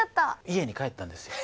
家に帰ったんですよ。